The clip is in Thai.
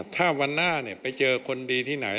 ถ้าวันน่าเนี่ยไปเจอคนดีที่ไหน